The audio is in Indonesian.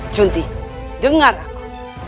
junti dengar aku